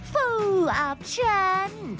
ฟูออปชั่น